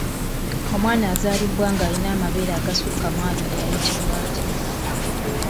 Omwana azaalibwa ng'alina amabeere agasukka mu abiri ayitibwa atya?